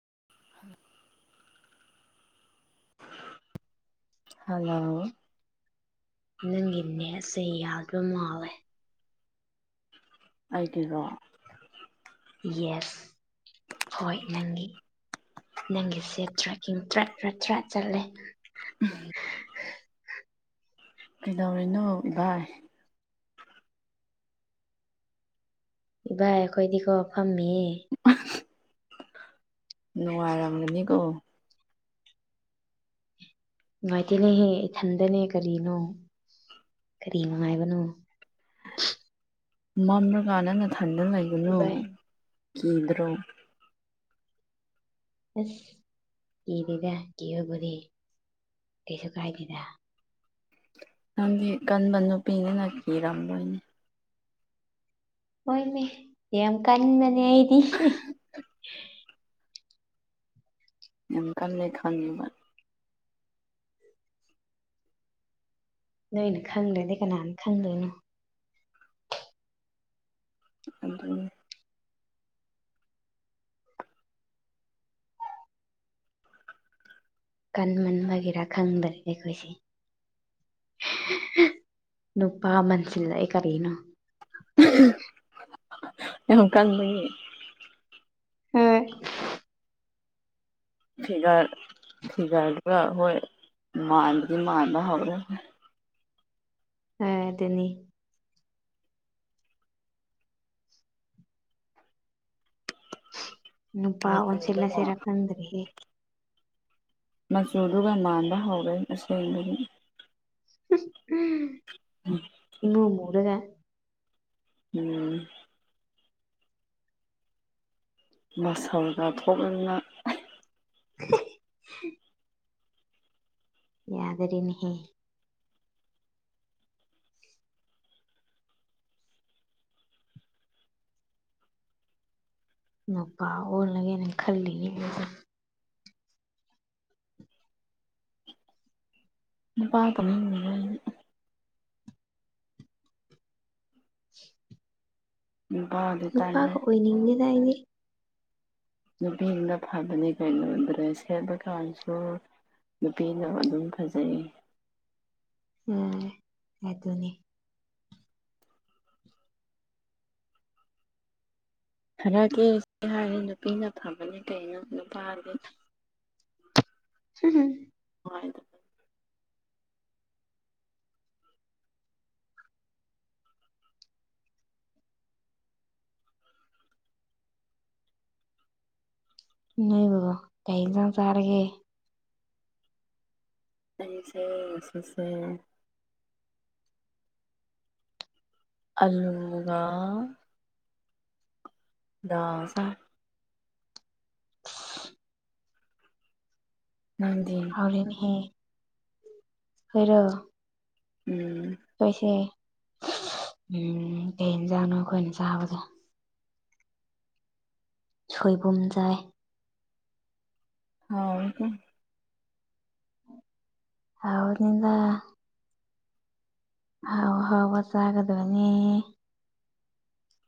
[inaudible] [inaudible] Hello ꯅꯪꯒꯤ ꯅꯦꯁꯁꯦ ꯌꯥꯗꯕ ꯃꯥꯋꯦ ꯑꯩ ꯀꯦꯀꯣ ꯌꯦꯁ ꯍꯣꯏ ꯅꯪꯒꯤ ꯅꯪꯒꯤꯁꯦ ꯇ꯭ꯔꯦꯛꯀꯤꯡ ꯇ꯭ꯔꯦꯛ ꯆ꯭ꯔꯥꯠ ꯆꯠꯂꯦ ꯀꯩꯗꯧꯔꯤꯅꯣ ꯏꯚꯥꯏ ꯏꯚꯥꯏ ꯑꯩꯈꯣꯏꯗꯤꯀꯣ ꯐꯝꯃꯤ [inaudible] ꯅꯨꯡꯉꯥꯏꯔꯝꯒꯅꯤꯀꯣ ꯅꯨꯡꯉꯥꯏꯇꯦꯅꯦꯍꯦ ꯏꯊꯟꯗꯅꯦ ꯀꯔꯤꯅꯣ ꯀꯔꯤ ꯅꯨꯡꯉꯥꯏꯕꯅꯣ ꯃꯝꯂꯀꯥꯟ ꯅꯪꯅꯊꯟꯗꯨꯅ ꯂꯩꯒꯅꯨ ꯏꯕꯥꯏ ꯀꯤꯗ꯭ꯔꯣ ꯑꯁ ꯀꯗ ꯀ ꯍꯕꯣꯗꯤ ꯀꯩꯁꯨ ꯀꯥꯏꯗꯗ ꯕꯤ ꯀꯟꯕ ꯅꯨꯄꯤꯅꯤꯅ ꯀꯤꯔꯝꯕꯣꯏꯅꯤ ꯍꯣꯏꯅꯦ ꯌꯥꯝ ꯀꯟꯕꯅꯦ ꯑꯩꯗꯤ ꯏꯀꯜ ꯂꯩ ꯈꯪꯉꯦꯕ ꯅꯣꯏꯅ ꯈꯪꯂꯦꯗꯤ ꯀꯅꯥꯅ ꯈꯪꯗꯣꯏꯅꯣ ꯑꯗꯨꯗ ꯀꯟꯃꯟ ꯑꯣꯏꯒꯦꯔꯥ ꯈꯪꯗꯅꯦꯦ ꯑꯩꯈꯣꯏꯁꯦ ꯅꯨꯄꯥꯃꯟꯁꯤꯜꯂꯑ ꯀꯔꯤꯅꯣ ꯏꯣꯡꯀꯥꯟ ꯃꯤ ꯍꯣꯏ ꯐꯤꯒꯥ ꯐꯤꯒꯒꯥꯗ ꯍꯣꯏ ꯃꯥꯟꯗꯗꯒꯤ ꯃꯥꯟꯗ ꯍꯕꯔ ꯍ ꯇꯅꯤ ꯅꯨꯄꯥ ꯃꯆꯨꯗꯨꯒ ꯑꯣꯟꯁꯦꯂꯁꯦꯔ ꯈꯟꯗ꯭ꯔꯦ ꯃꯆꯨꯗꯨꯒ ꯃꯥꯟꯕ ꯍꯧꯔꯦ ꯑꯁꯦꯡꯗꯨꯅꯤ ꯏꯃꯨꯡꯔꯒ ꯎꯝ ꯃꯁꯜꯒ ꯊꯣꯛꯣꯛꯂꯅ [inaudible] ꯌꯥꯗꯔꯤꯅꯤꯍ ꯅꯄꯥꯥ ꯑꯣꯅꯒꯦꯅꯦ ꯈꯜꯂꯤꯅꯤ ꯄꯀꯅ ꯅꯨꯄꯥꯗꯤ ꯇꯜꯂꯦ ꯅꯨꯄꯥꯒ ꯑꯣꯏꯅꯤꯡꯉꯦꯗꯏꯅꯦ ꯅꯨꯄꯤ ꯑꯃꯅ ꯐꯕꯅꯤ ꯀꯩꯅꯣꯗ꯭ꯔꯦ ꯁꯦꯠꯕ ꯀꯥꯟꯁꯨ ꯅꯨꯄꯤꯅ ꯑꯗꯨꯝ ꯐꯖꯩ ꯎ ꯍ ꯑꯗꯨꯅꯤ ꯍꯟꯗꯛꯀꯤꯁꯤ ꯍꯥꯏꯗꯤ ꯅꯨꯄꯤꯅ ꯐꯕꯅꯤ ꯀꯩꯅꯣ ꯅꯨꯄꯥꯗꯤ ꯁꯤ [inaudible] ꯅ ꯒꯣ ꯀꯩꯖꯅ ꯁꯔꯒꯦ ꯑꯁꯦꯁꯦ ꯑꯂꯒ ꯗꯁ ꯅꯪꯗꯤ ꯑꯔꯤꯅ ꯍ ꯈꯔꯣ ꯎꯝ ꯁꯣꯏꯁꯦ ꯎꯝ ꯀꯩ ꯌꯦꯟꯖꯥꯡꯅꯣ ꯑꯩꯈꯣꯏꯅ ꯆꯥꯕꯗ ꯁꯣꯏꯕꯨꯝ ꯆꯥꯏ ꯍꯥꯎ ꯏꯀꯣ ꯍꯧꯥꯎꯗ ꯑ ꯍꯥꯎꯕ ꯆꯥꯒꯗꯣꯏꯅꯤ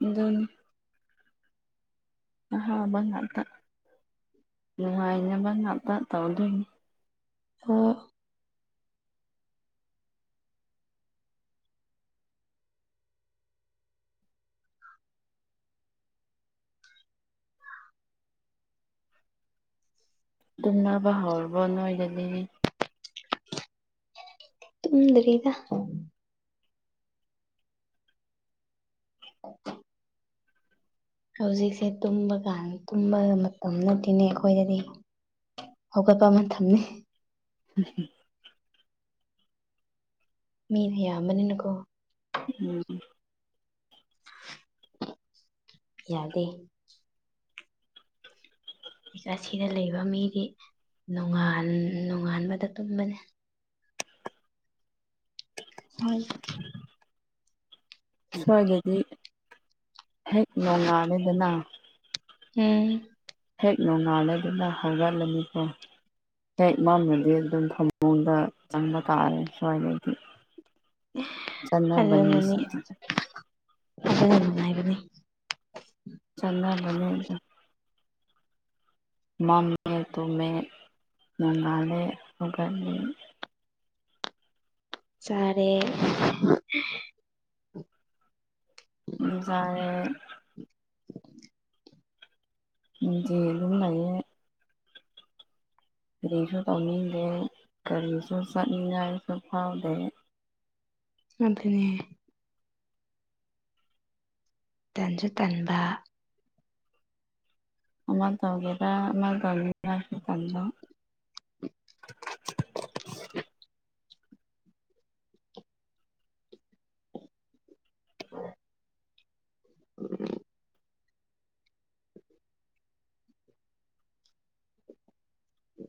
ꯑꯗꯨꯣꯟ ꯑꯥꯕ ꯇꯥꯛ ꯅꯅꯨꯡꯉꯥꯏꯕ ꯇꯥꯛ ꯇꯧꯗ ꯑꯣ ꯇꯨꯝꯅꯕ ꯍꯧꯥꯎꯔꯕꯣ ꯅꯣꯏꯗꯒꯤ ꯇꯗꯔꯤꯗ ꯍꯧꯖꯤꯛꯁꯦ ꯇꯨꯝꯕ ꯀꯥꯟ ꯇꯨꯝꯕ ꯃꯇꯝ ꯅꯠꯇꯦꯅꯦ ꯑꯩꯈꯣꯏꯗꯗꯤ ꯍꯈꯣꯏ ꯄꯃꯅ ꯊꯝꯅꯤ ꯎꯝ ꯃꯤꯅ ꯌꯥꯝꯌꯥꯝꯕꯅꯤꯅꯀꯣ ꯎꯝ ꯌꯥꯗꯦ ꯑꯁꯤꯗ ꯂꯩꯕ ꯃꯤꯗꯤ ꯅ ꯅꯣꯡꯉꯥꯟꯕꯗ ꯇꯨꯝꯕꯅꯤ ꯁꯋꯥꯒ ꯍꯦꯛ ꯅꯨꯡꯉꯥꯂꯦꯗꯅ ꯍꯝ ꯦꯛ ꯅꯣꯡꯉꯥꯜꯂꯗꯨꯅ ꯍꯧꯒꯠꯂꯝꯃꯤꯀꯣ ꯍꯦꯛꯃꯝꯅꯗꯤ ꯑꯗꯨꯝ ꯐꯃꯨꯡꯗ ꯆꯪꯕ ꯇꯥꯔꯦ ꯁ꯭ꯋꯥꯏꯗꯩꯗꯤ ꯆꯅꯥ ꯟꯅꯁꯤ ꯉꯥꯏꯕ ꯆꯅꯥ ꯃꯅꯤ ꯑꯗꯨ ꯃꯝꯃꯦ ꯇꯨꯝꯃꯦ ꯉꯅꯨꯡꯗꯥꯂꯦ ꯍꯧꯒꯠꯅꯤ ꯁꯔꯦ ꯖꯔꯦ ꯗꯤ ꯑꯗꯨꯨꯝ ꯂꯩꯌꯦ ꯀꯔꯤꯁꯨ ꯇꯧꯅꯤꯡꯗꯦ ꯀꯔꯤꯁꯨ ꯆꯠꯅꯤꯡꯉꯥꯏꯁꯨ ꯐꯥꯎꯗꯦ ꯑꯗꯨꯗꯅꯦ ꯇꯟꯁꯨ ꯇꯟꯕ ꯑ ꯇꯧꯒꯦꯔꯥ ꯑꯃ ꯇꯔ ꯆꯀꯥꯟꯗ [inaudible] ꯎ ꯎꯝ ꯎ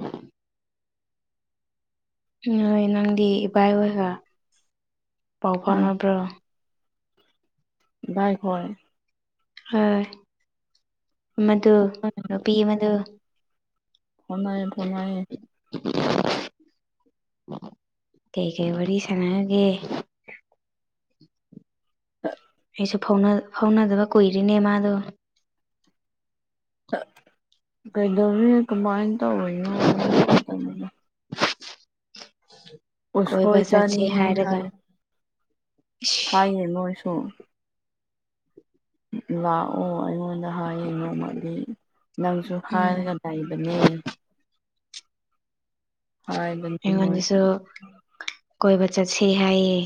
ꯎꯝ ꯣꯏ ꯅꯪꯗꯤ ꯏꯕꯥ ꯏ ꯍꯣꯏꯒ ꯄꯥꯎ ꯐꯥꯎꯅꯕ꯭ꯔꯣ ꯚꯥꯏ ꯍꯣꯏ ꯍ ꯃꯗꯨ ꯅꯨꯄꯤ ꯃꯗꯨ ꯐꯅꯥꯏ ꯐꯅꯥꯏ ꯀꯩꯀꯩ ꯋꯥꯔꯤ ꯋꯥꯔꯤ ꯁꯅꯒꯦ ꯑꯩꯁꯨ ꯐ ꯐꯥꯎꯅꯗꯕ ꯀꯨꯏꯔꯤꯅꯦ ꯃꯥꯗꯣ ꯀꯩꯗ ꯀꯃꯥꯏꯟ ꯋꯥ ꯀꯣꯏꯕ ꯎꯁꯣꯏ ꯆꯠꯁꯦ ꯆꯥꯅꯤꯡꯉꯦ ꯍꯥꯏꯔꯒ ꯍꯥꯏ ꯍꯥꯏꯌꯦ ꯅꯣꯏꯁꯨ ꯋꯥ ꯑꯣ ꯑꯗ ꯍꯥꯏꯌꯦ ꯅꯣꯡꯃꯗꯤ ꯅꯪꯁꯨ ꯎꯝ ꯍꯥꯏꯔꯒ ꯂꯩꯕꯅꯦ ꯍꯥꯕꯟ ꯃꯣꯏꯁ ꯑꯩꯉꯣꯟꯗꯁꯨ ꯀꯣꯏꯕ ꯆꯠꯁꯤ ꯍꯥꯏꯌꯦ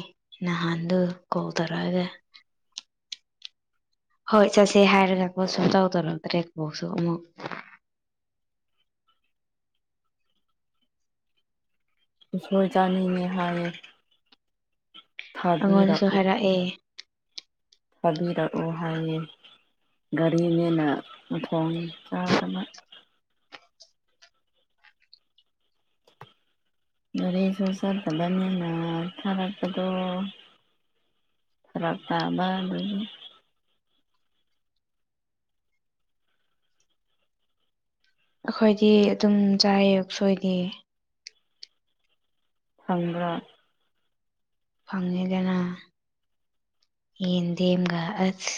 ꯅꯍꯥꯟꯗꯨ ꯀꯣꯜ ꯇꯧꯔꯛꯑꯒ ꯍꯣꯏ ꯆꯠꯁꯦ ꯍꯥꯏꯔꯒꯀꯣ ꯁꯨꯝ ꯇꯧꯗꯔꯛꯇ꯭ꯔꯦꯕꯣꯛꯁꯨ ꯑꯃꯨꯛ ꯃꯣꯖꯥꯅꯤꯍ ꯑꯩꯉꯣꯟꯗꯁꯨ ꯍꯥꯏꯔꯛꯑꯦ ꯊꯥꯕꯤꯔꯛꯎ ꯍꯥꯏꯌꯦꯦ ꯔꯤꯅꯦꯅ ꯎꯊꯣꯡ ꯆꯥꯗꯅ ꯔꯤ ꯁꯣꯡꯁꯔꯗꯕ ꯃꯟꯅ ꯈꯔꯛꯄꯗ ꯐꯔ ꯇꯥꯕ ꯂꯩ ꯑꯩꯈꯣꯏꯗꯤ ꯑꯗꯨꯝ ꯆꯥꯌꯦ ꯁꯣꯏꯗ ꯈꯪ꯭ꯔꯥ ꯐꯪꯉꯤꯗꯅ ꯌꯦꯟꯗꯦꯝꯒ ꯑꯁ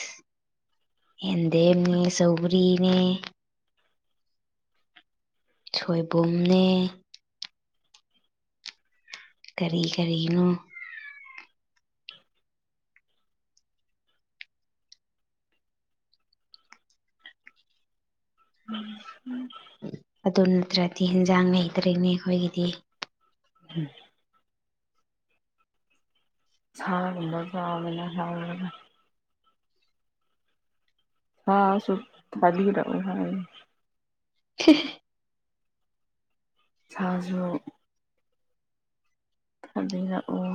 ꯑꯦꯟꯗꯦꯦꯝꯅꯦ ꯁꯧꯔꯤꯅꯦ ꯁꯣꯏꯕꯨꯝꯅꯦ ꯀꯔꯤ ꯀꯔꯤꯅꯣ ꯎꯝ ꯎꯝ ꯑꯗꯨ ꯅꯠꯇ꯭ꯔꯗꯤ ꯍꯟꯖꯥꯡ ꯂꯩꯇꯔꯛꯅꯤ ꯑꯩꯈꯣꯏꯒꯤꯗꯤ ꯎꯝ ꯁꯔꯕꯗꯗꯅ ꯍ ꯍꯥꯥ ꯁ ꯊꯑꯣ ꯍꯥꯏ [unintelligible] ꯁꯥꯥꯖꯣꯛ ꯊꯕꯤꯔ ꯋꯥ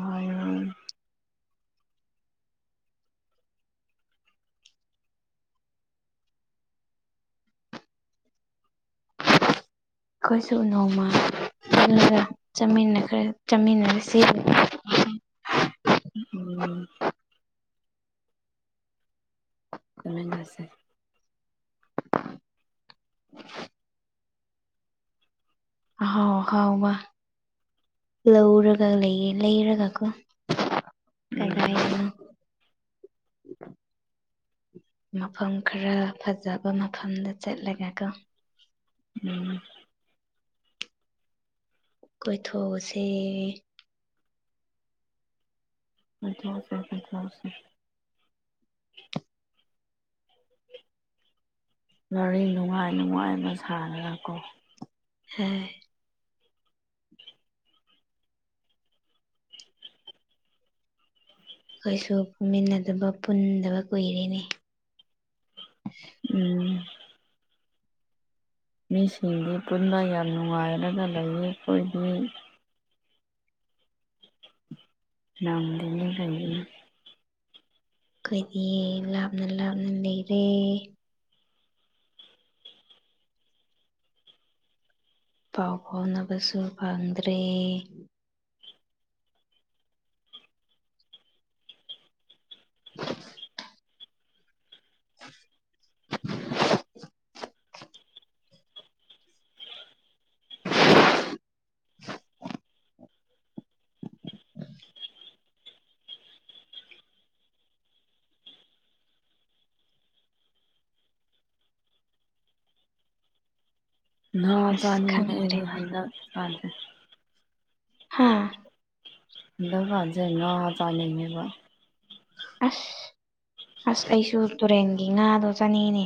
ꯑꯩꯈꯣꯏꯁꯨ ꯅꯣꯡꯃ ꯆꯥꯃꯤꯟꯅꯈꯦ ꯆꯥꯃꯤꯟꯅꯔꯁꯤ [unintelligible] ꯑꯣꯝ ꯊꯃꯤ ꯂꯁꯦ ꯑꯣ ꯍꯥꯎꯕ ꯂꯧꯔꯒ ꯂꯩꯌꯦ ꯂꯩꯔꯒ ꯀꯣ ꯎꯝ ꯀꯗꯥꯏꯅꯣ [unintelligible] ꯃꯐꯝ ꯈꯔ ꯐꯖꯕ ꯃꯐꯝꯗ ꯆꯠꯂꯒꯀꯣ ꯎꯝ ꯀꯣꯏꯊꯣꯛꯎꯁꯦ ꯑꯁꯦꯊꯁꯦ ꯋꯥꯔꯤ ꯅꯨꯡꯉꯥꯏ ꯅꯨꯡꯉꯥꯏꯅ ꯁꯥꯟꯅꯔꯒꯀꯣ ꯍꯝ ꯑꯩꯁꯨ ꯄꯨꯟꯃꯤꯟꯅꯗꯕ ꯄꯨꯟꯗꯕ ꯀꯨꯏꯔꯦꯅꯦ ꯎꯝ ꯃꯤꯁꯤꯡꯗꯤ ꯄꯨꯟꯅ ꯌꯥꯝ ꯅꯨꯡꯉꯥꯏꯔꯒ ꯂꯩ ꯑꯩꯈꯣꯏꯗꯤ ꯅꯣꯡꯗꯤ ꯍꯥꯏꯕꯤꯅ ꯑꯩꯈꯣꯏꯗꯤ ꯂꯥꯞꯅ ꯂꯥꯞꯅ ꯂꯩꯔꯦ ꯄꯥꯎ ꯐꯥꯎꯅꯕꯁꯨ ꯐꯪꯗ꯭ꯔꯦ [unintelligible] [unintelligible] ꯥ ꯑꯁ ꯆꯥꯅꯤꯡꯉꯤ ꯈꯪꯗ꯭ꯔꯦ ꯑꯩꯗꯤ ꯍꯟꯗꯛ ꯄꯥꯖꯩ ꯍꯥꯥ ꯗꯕꯥꯖꯦ ꯅ ꯆꯂꯅꯦꯕꯣ ꯑꯁ ꯑꯁ ꯑꯩꯁꯨ ꯇꯨꯔꯦꯟꯒꯤ ꯉꯥꯗꯣ ꯆꯥꯅꯤꯡꯉꯤꯅꯦ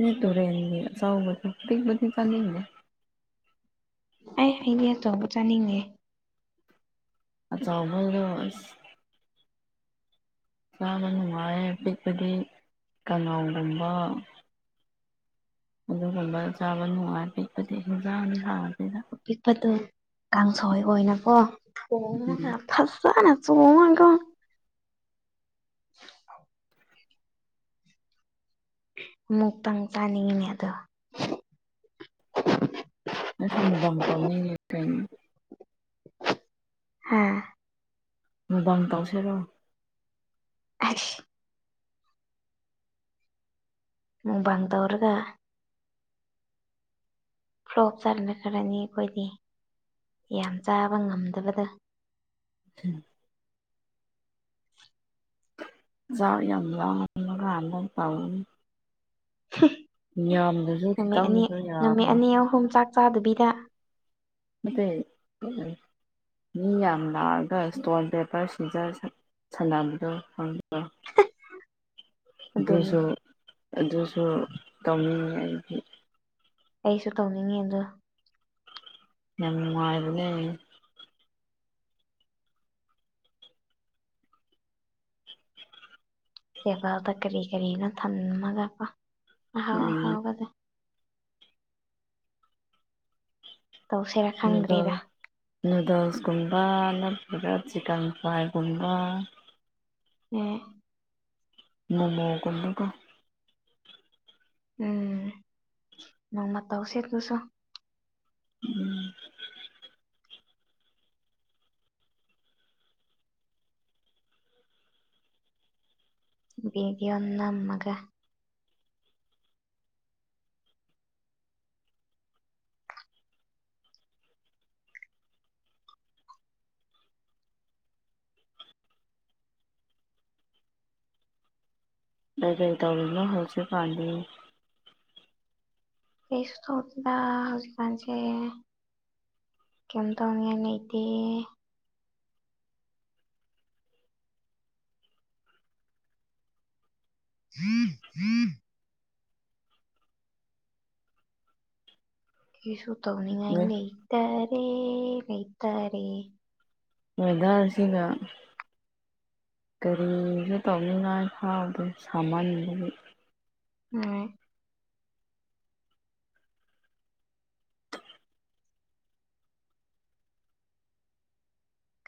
ꯎꯝ ꯇꯨꯔꯦꯜꯒꯤ ꯑꯆꯧꯕꯗꯣ ꯑꯄꯤꯛꯄꯗꯤ ꯆꯅꯤꯡꯗꯦ ꯑꯩ ꯍꯥꯏꯗꯤꯌꯥ ꯇꯣꯕꯨ ꯆꯥꯅꯤꯡꯉꯦ ꯑꯆꯥꯎꯕꯗꯣ ꯑꯁ ꯆꯥꯕ ꯅꯨꯡꯉꯥꯏꯌꯦ ꯑꯄꯤꯛꯄꯒꯤ ꯀꯅꯥꯎꯒꯨꯝꯕ ꯑꯗꯨꯒꯨꯝꯕ ꯆꯥꯕ ꯅꯨꯡꯉꯥꯏ ꯄꯤꯛꯄꯗꯤ ꯍꯟꯖꯥꯡꯗꯤ ꯍꯥꯡꯉꯗꯤ ꯑꯄꯤꯛꯄꯗꯨ ꯀꯥꯡꯁꯣꯏ ꯑꯣꯏꯅꯀꯣ ꯎꯝ ꯐꯖꯅ ꯊꯣꯡꯉꯒꯥꯀꯣ ꯑ ꯃꯨꯛ ꯇꯪ ꯆꯥꯅꯤꯡꯉꯤꯅꯦ ꯑꯗꯣ ꯑꯩꯁꯨ ꯃꯨꯛꯕꯥꯡ ꯇꯧꯅꯤꯡꯉꯦ ꯍꯥꯥ ꯃꯕꯥꯡ ꯇꯧꯁꯦꯔꯣ ꯑꯁ ꯃꯨꯛꯕꯥꯡ ꯇꯧꯔꯒ ꯐ꯭ꯂꯣꯞ ꯆꯠꯂꯈꯔꯅꯤ ꯑꯩꯈꯣꯏꯗꯤ ꯌꯥꯝ ꯆꯥꯕ ꯉꯝꯗꯕꯗ ꯎꯝ ꯆꯥꯛ ꯌꯥꯝ ꯂꯥꯝꯃꯥꯀꯥꯟꯗ ꯇꯧ ꯅꯨꯃꯤꯠ ꯑꯅꯤ ꯈꯤꯇꯪꯁꯨ ꯅꯨꯃꯤꯠ ꯌꯥꯕꯅꯤ ꯑꯅꯤ ꯑꯍꯨꯝ ꯆꯥꯛ ꯆꯥꯗꯕꯤꯗ ꯅꯠꯇꯦ ꯃꯤ ꯌꯥꯝ ꯂꯥꯛꯑꯒ ꯏꯁꯇꯣꯜ ꯄꯦꯄꯔ ꯁꯤꯖꯔ ꯁꯥꯟꯅꯕꯗꯣ ꯈꯪꯕ꯭ꯔꯣ ꯑꯗꯨꯅꯤ ꯑꯗꯨꯁꯨ ꯑꯗꯨꯁꯨ ꯇꯧꯅꯤꯡꯉꯤ ꯑꯩꯗꯤ ꯑꯩꯁꯨ ꯇꯧꯅꯤꯡꯉꯦ ꯑꯗꯣ ꯌꯥꯝ ꯅꯨꯡꯉꯥꯏꯕꯅꯦ ꯁꯦꯕꯥꯗ ꯀꯔꯤ ꯀꯔꯤꯅꯣ ꯊꯝꯃꯒꯀꯣ ꯑꯍꯥꯎ ꯎꯝ ꯑꯍꯥꯎꯕꯗꯣ ꯇꯧꯁꯤꯔꯥ ꯈꯪꯗ꯭ꯔꯤꯗ ꯅꯨꯗꯜꯁꯀꯨꯝꯕꯅ ꯑꯗꯨꯔꯠ ꯆꯤꯀꯦꯟ ꯐ꯭ꯔꯥꯏ ꯀꯨꯟꯕ ꯎꯝ ꯃꯃꯣ ꯀꯨꯝꯕꯀꯣ ꯎꯝ ꯅꯪꯃ ꯇꯧꯁꯦ ꯑꯗꯨꯁꯨꯣ ꯎꯝ ꯕꯤꯗꯤ ꯑꯣꯅꯃꯒ ꯀꯩ ꯀꯩ ꯇꯧꯔꯤꯅꯣ ꯍꯧꯖꯤꯛꯁꯨ ꯄꯥꯥꯟꯃꯤ ꯀꯩꯁ ꯊꯗ ꯍꯧꯖꯤ ꯀꯁꯦ ꯀꯝꯇ ꯑ ꯅꯇ ꯍꯝ ꯍꯝ ꯀꯁꯨ ꯇꯧꯅꯤ ꯉ ꯂꯩꯇꯔꯦ ꯂꯩꯇꯔꯦ ꯑꯣꯏꯗꯥꯔꯁꯤꯒ ꯀꯔꯤꯁꯨ ꯇꯧꯅꯤꯉꯥꯏ ꯐꯥꯎꯗ ꯁꯥꯃꯟꯗꯨꯒꯤ ꯍꯣꯏ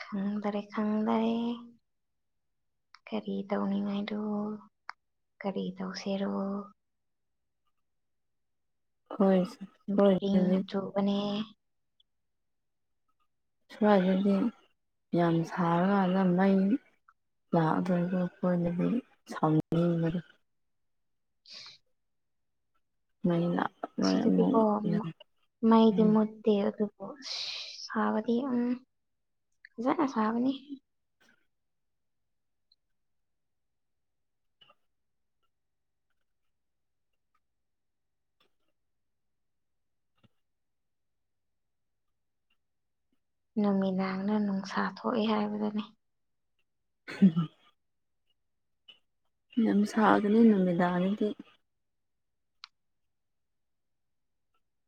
ꯈꯪꯗꯔꯦ ꯈꯪꯗꯔꯦ ꯀꯔꯤ ꯇꯧꯅꯤꯡꯉꯥꯏꯔꯣ ꯀꯔꯤ ꯇꯧꯁꯦꯔꯨꯣ ꯍꯣꯏ ꯁꯣꯏꯗꯗꯤ ꯍꯥꯆ ꯃl [unintelligible] ꯁ꯭ꯋꯥꯏꯁꯤꯗꯤ ꯌꯥꯝ ꯁꯥꯔꯀꯥꯟꯗ ꯃꯩ ꯂꯥꯛꯑꯗꯧꯒ ꯑꯩꯈꯣꯏꯅꯗꯤ ꯁꯥꯎꯅꯤꯡꯉ ꯃꯔ [inaudible] ꯃꯅ ꯁꯤꯗꯗꯤꯀꯣ ꯃꯩꯒꯤ ꯃꯦ ꯑꯗꯨ ꯑꯣ ꯁꯕꯗꯤ ꯎꯝꯖꯅ ꯁꯥꯕꯅꯤ ꯅꯨꯃꯤꯗꯥꯡꯅ ꯅꯨꯡꯁꯥ ꯊꯣꯛꯏꯦ ꯍꯥꯏꯕꯗꯨꯅꯤ ꯎꯝ ꯌꯥꯝ ꯃ ꯁꯥꯥꯒꯅꯤ ꯏꯅ ꯃꯗꯥꯅꯤꯗꯤ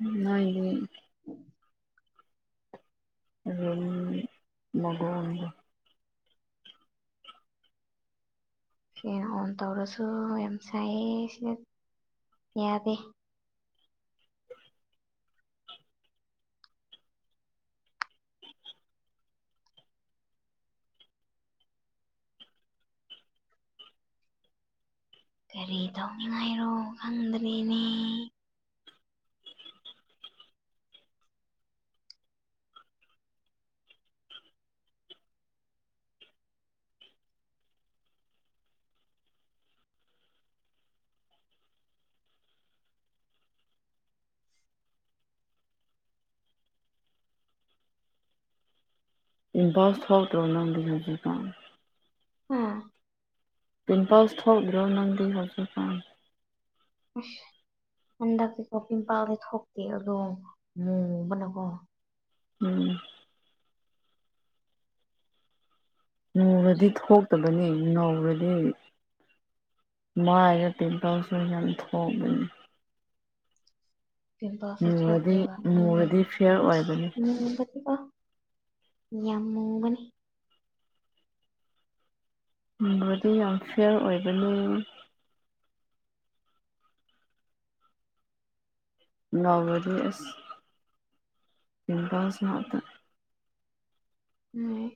ꯑ ꯑꯗꯨ ꯒꯋꯥꯟꯗ ꯁꯤꯅ ꯑꯣꯟ ꯇꯧꯔꯁꯨ ꯌꯥꯝ ꯁꯥꯏꯌꯦ ꯁꯤꯗ ꯌꯥꯗꯦ ꯀꯔꯤ ꯇꯧꯅꯤꯉꯥꯏꯔꯣ ꯈꯪꯗ꯭ꯔꯔꯤꯅꯦ ꯁ ꯊꯣ ꯇꯧꯅ ꯗꯤꯖꯤꯅꯒꯤ ꯀꯥꯟ ꯑꯥ ꯄꯤꯝꯄꯥꯜ ꯊꯣꯛ ꯗ꯭ꯔꯧ ꯅꯟꯗꯤ ꯍꯧꯖꯤꯄꯥꯟ ꯑ ꯍꯟꯗꯛꯇꯤꯀꯣ ꯄꯝꯄꯥꯥꯜꯗꯤ ꯊꯣꯛꯇꯦ ꯑꯗꯣ ꯃꯨꯕꯅꯀꯣ ꯎꯝ ꯉꯧꯔꯗꯤ ꯊꯣꯛꯇꯕꯅꯤ ꯅꯧꯔꯗꯤ ꯃꯥ ꯑꯩꯦ ꯇꯤꯟꯇꯁꯔ ꯌꯥꯝ ꯊꯀꯕꯅꯤ ꯁꯦ ꯃꯨꯔꯗꯤ ꯁꯣꯛꯀꯦ ꯂ ꯃꯨꯔꯗꯤ ꯐꯤꯌꯔ ꯑꯣꯏꯕꯅꯤ ꯌꯥꯝ ꯃꯣꯡꯕꯅꯤ ꯕꯗꯤ ꯌꯥꯝ ꯐꯤꯌꯔ ꯑꯣꯏꯕꯅꯤ ꯂ ꯔꯤꯁ ꯇꯤꯟ ꯄꯇ ꯎꯝ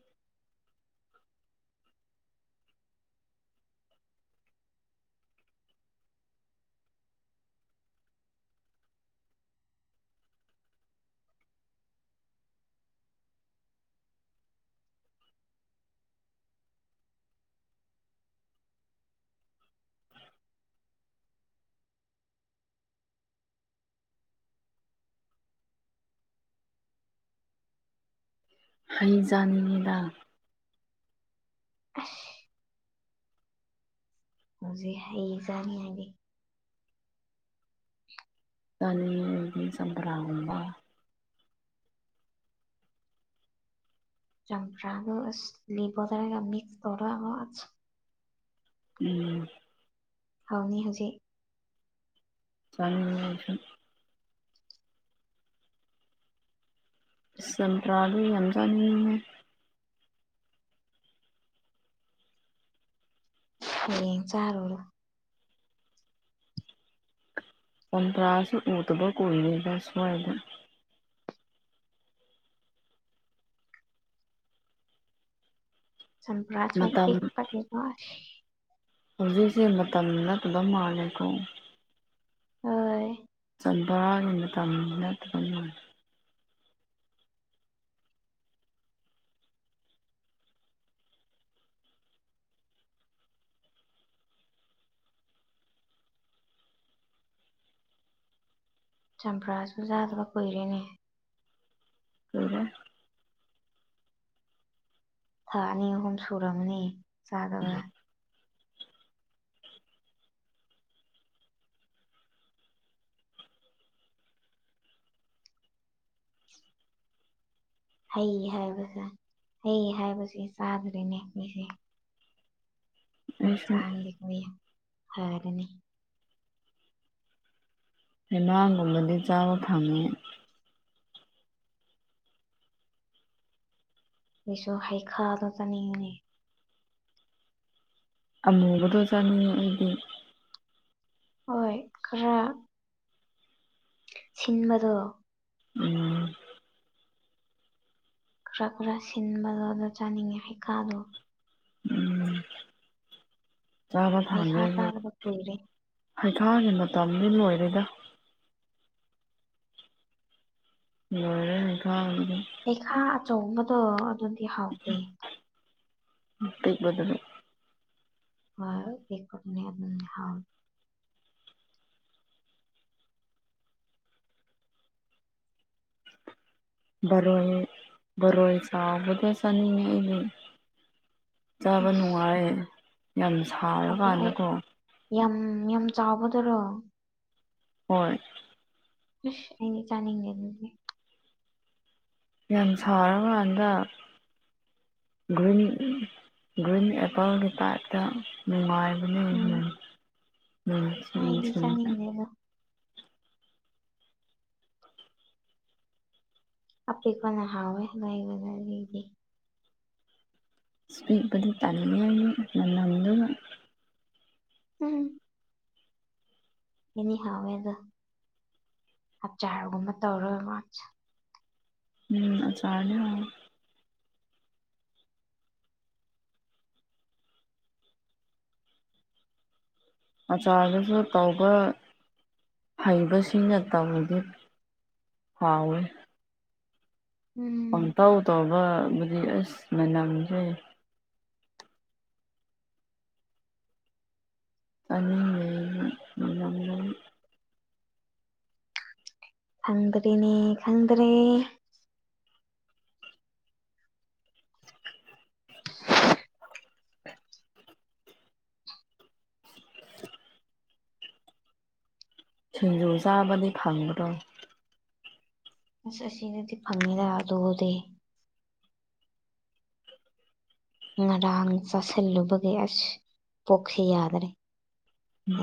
ꯑꯩꯩꯖꯅꯤꯡꯉꯗ ꯑ ꯍꯧꯖꯤ ꯑꯩ ꯆꯥꯅꯤꯡꯉꯗꯤ ꯇꯅꯤ ꯆꯄ꯭ꯔꯥꯕ ꯆꯝꯄ꯭ꯔꯥꯗ ꯂꯤꯕꯗꯔꯒ ꯃꯁ ꯇꯔꯕꯣ ꯎꯝ ꯐꯥꯎꯅꯤ ꯍꯧꯖꯤꯛ ꯆꯁ ꯁꯄ꯭ꯔꯥꯗꯒꯤ ꯑꯖꯥꯅꯤ ꯍ ꯆꯥꯔ ꯋꯥꯔ ꯐꯟꯇ꯭ꯔꯥꯁꯨ ꯎꯇꯕ ꯀꯅꯦꯕꯁ ꯍꯥꯏꯗ ꯁꯄ꯭ꯔꯁꯨ ꯃꯇꯝ ꯄꯀ ꯍꯧꯖꯤꯛꯁꯦ ꯃꯇꯝ ꯅꯂꯝꯂꯝꯀ ꯍ ꯔꯥꯒꯤ ꯃꯇꯝ ꯅꯠꯇ꯭ꯔꯒ ꯅ ꯆꯝꯄ꯭ꯔꯥꯁꯨ ꯌꯥꯥꯗꯕ ꯀꯨꯏꯔꯦꯅꯦ ꯍꯔ ꯊꯥꯅꯤ ꯑꯍꯨꯝ ꯁꯨꯔꯝꯅꯤ ꯆꯥꯗꯕ ꯍꯩ ꯍꯥꯏꯕꯁꯦ ꯍꯩ ꯍꯥꯏꯕꯕꯁꯤꯦ ꯆꯥꯗ꯭ꯔꯤꯅꯦ ꯃꯤꯁꯦ ꯑ ꯑꯩꯁꯨ ꯆꯥꯡ ꯀ ꯍꯥꯏꯔꯅꯤ ꯍꯩꯅꯥꯥꯡꯒꯨꯝꯕꯗꯤ ꯆꯥꯕ ꯊꯝꯉꯦ ꯑꯩꯁꯨ ꯍꯩꯈꯥꯗ ꯆꯥꯅꯤꯡꯉꯅꯦ ꯑꯃꯨꯕꯗꯣ ꯆꯥꯅꯤꯡꯉ ꯑꯩꯗꯤ ꯍꯣꯏ ꯈꯔ ꯁꯤꯟꯕꯗꯣ ꯎꯝ ꯈꯔ ꯈꯔ ꯁꯤꯟꯕꯂꯣꯗ ꯆꯥꯅꯤꯡꯉꯦ ꯍꯩꯈꯥꯗꯣ ꯎꯝ ꯆꯥꯕ ꯍꯩꯈꯥ ꯊꯥꯒꯦ ꯆꯥꯗꯕ ꯀꯨꯏꯔꯦ ꯍꯩꯈꯥꯒꯤ ꯃꯇꯝ ꯂꯤꯟ ꯑꯣꯏꯔꯦꯗ ꯂꯔꯦ ꯅꯤꯡꯅꯤ ꯊ ꯍꯩꯈꯥ ꯑꯆꯧꯕꯗꯣ ꯑꯗꯨꯗꯤ ꯍꯥꯎꯗꯦ ꯃꯇꯇꯦꯛ ꯗꯂ ꯍ ꯄ ꯀꯇꯅꯤꯝ ꯍꯥꯏꯥꯎ ꯣꯏ ꯔꯣꯏ ꯆꯗ ꯆꯅꯤ ꯉꯏꯅꯦ ꯆꯥꯕ ꯅꯨꯡꯉꯥꯏ ꯌꯥꯝ ꯑꯗꯣ ꯑꯩ ꯁꯥꯔꯀꯥꯟꯗꯀꯣ ꯌꯥꯝ ꯌꯥꯝ ꯆꯥꯎꯕꯗꯔꯣ ꯍꯣꯏꯣꯏ ꯁ ꯑꯩꯅ ꯆꯥꯅꯤꯡꯗꯦ ꯑꯗꯨꯗꯤ ꯌꯥꯝ ꯁꯥꯔꯀꯥꯟꯗ ꯭ꯔꯤꯟ ꯔꯤꯟ ꯑꯦꯄꯜꯒꯤꯇꯥꯇ ꯉꯥꯏ ꯎꯝ ꯎꯝ ꯑꯩꯗꯤꯁꯥꯅꯤ ꯂꯩꯦꯒ ꯍꯥꯄꯤꯦꯛꯈꯣꯟꯅ ꯍꯥꯎꯋꯦ ꯂꯩꯕꯅꯗꯤ ꯏꯁꯄꯤꯠꯕꯗꯤ ꯇꯅꯤ ꯃꯅꯝꯗ ꯎꯝ ꯑꯦꯅꯤ ꯍꯧꯋꯦꯗ ꯍꯞꯆꯒꯨꯝꯕ ꯇꯧꯔꯣꯏ ꯃꯥꯁꯦ ꯎꯝ ꯑꯆꯥꯔꯅꯦ ꯍꯥꯏ ꯑꯆꯥꯔꯗꯨꯁꯨ ꯇꯧꯕ ꯍꯩꯕꯁꯤꯡꯅ ꯇꯧꯗꯤ ꯍꯥꯎ ꯎꯝ ꯄꯝꯇꯧ ꯇꯧꯕꯕꯨꯗꯤ ꯑꯁ ꯃꯌꯥꯝꯝꯖ ꯀꯅꯤ ꯃꯅ ꯃꯝꯕꯝꯕꯝ ꯈꯪꯗ꯭ꯔꯦꯅꯦ ꯈꯪꯗ꯭ꯔꯦ ꯁꯦꯟꯖꯨꯖꯥꯕꯗꯤ ꯐꯪꯕꯗꯣ ꯑꯁ ꯑꯁꯤ ꯑꯁꯤꯅꯗꯤ ꯐꯪꯃꯦꯦꯗ ꯑꯗꯨꯗ ꯉꯔꯥꯡ ꯆꯥꯁꯤꯜꯂꯨꯕꯒꯤ ꯑꯁ ꯄꯣꯛꯈꯤ ꯌꯥꯗ꯭ꯔꯦ ꯑ